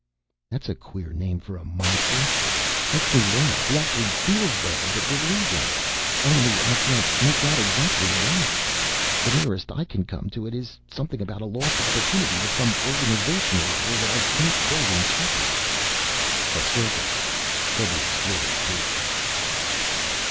"That's a queer name for a monster. Makes me laugh. He actually feels bad that we're leaving. Only I can't make out exactly why. The nearest I can come to it is something about a lost opportunity with some organization or other that I can't quite interpret." "A circus," said the Explorer, briefly.